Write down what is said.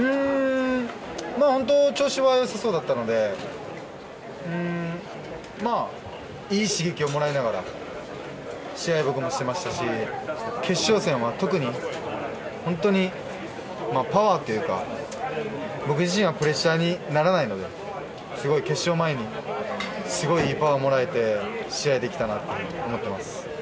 本当に今日調子は良さそうだったのでいい刺激をもらいながら試合を僕もしてましたし決勝戦は、特に本当にパワーというか僕自身はプレッシャーにならないので決勝前にすごい、いいパワーをもらえて試合できたなと思っています。